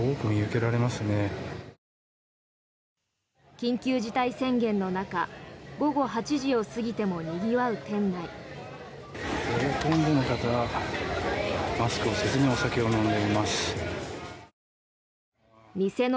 緊急事態宣言の中午後８時を過ぎてもにぎわう店内。